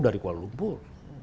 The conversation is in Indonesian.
dari kuala lumpur